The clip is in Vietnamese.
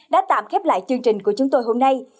đã tạm khép lại chương trình của chúng tôi hôm nay